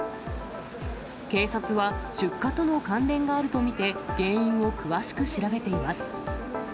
警察は、出火との関連があると見て、原因を詳しく調べています。